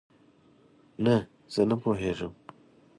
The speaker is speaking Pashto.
نه، زه نه پوهیږم